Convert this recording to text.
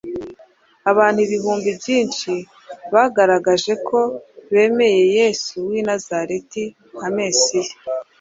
abantu ibihumbi byinshi bagaragaje ko bemeye Yesu w’ i Nazareti nka Mesiya.